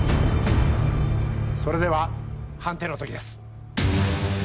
それでは判定の刻です。